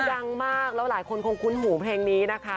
ดังมากแล้วหลายคนคงคุ้นหูเพลงนี้นะคะ